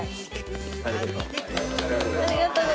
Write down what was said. ありがとう。